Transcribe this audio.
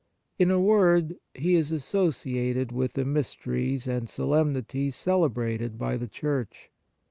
In a word, he is associated with the mysteries and solemnities celebrated by the Church.